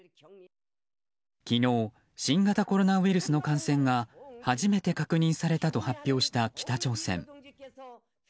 昨日新型コロナウイルスの感染が初めて確認されたと発表した北朝鮮。